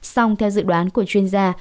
song theo dự đoán của chuyên gia